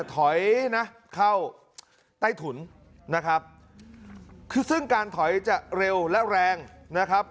ถอยนะเข้าใต้ถุนนะครับคือซึ่งการถอยจะเร็วและแรงนะครับ